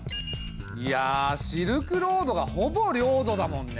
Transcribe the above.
いやシルクロードがほぼ領土だもんね。